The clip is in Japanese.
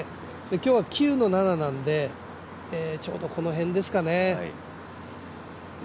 今日は９の７なんでちょうどこの辺ですかね。